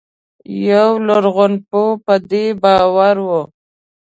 یو لرغونپوه په دې باور و.